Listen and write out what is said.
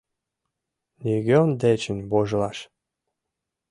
Нигӧн дечын вожылаш.